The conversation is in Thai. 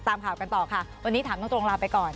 ตามข่าวกันต่อค่ะวันนี้ถามตรงลาไปก่อน